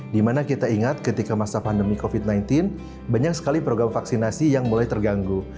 dimana kita ingat ketika masa pandemi covid sembilan belas banyak sekali program vaksinasi yang mulai terganggu